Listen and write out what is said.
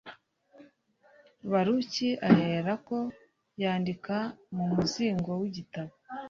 Baruki aherako yandika mu muzingo w igitabo